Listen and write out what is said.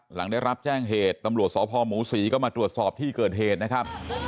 หลังได้รับแจ้งเหตุตำรวจสพหมูศรีก็มาตรวจสอบที่เกิดเหตุนะครับ